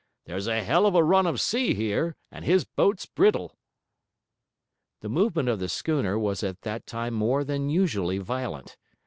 There's a hell of a run of sea here, and his boat's brittle.' The movement of the schooner was at that time more than usually violent.